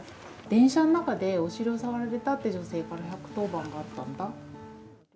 電車の中でお尻を触られたって女性から１１０番があったんだ。